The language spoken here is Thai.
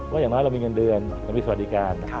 อย่างน้อยเรามีเงินเดือนเรามีสวัสดิการ